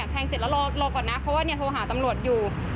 เสร็จแล้วรอก่อนนะเพราะว่าโทรหาตำรวจอยู่